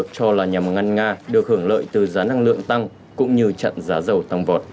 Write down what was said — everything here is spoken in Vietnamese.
cho là nhằm ngăn nga được hưởng lợi từ giá năng lượng tăng cũng như chặn giá dầu tăng vọt